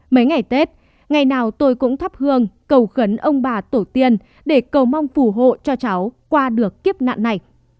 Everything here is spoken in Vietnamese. mấy ngày tết ngày nào tôi cũng thắp hương cầu khấn ông bà tổ tiên để cầu mong phù hộ cho cháu qua được kiếp nạn này